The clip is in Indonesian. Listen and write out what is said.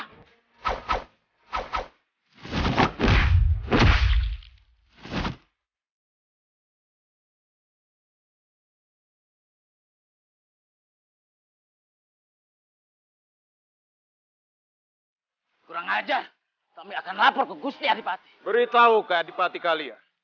kurang aja kami akan lapor ke gusnya beritahu ke adipati kalian